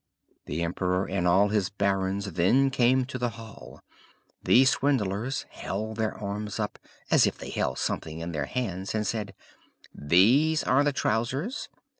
The emperor and all his barons then came to the hall; the swindlers held their arms up as if they held something in their hands and said: "These are the trousers!"